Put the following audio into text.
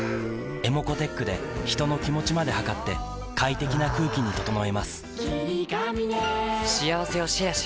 ｅｍｏｃｏーｔｅｃｈで人の気持ちまで測って快適な空気に整えます